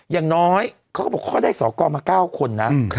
อย่างน้อยเขาก็ได้สอกรมา๙คนนะ